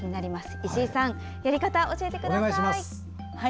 石井さんやり方、教えてください。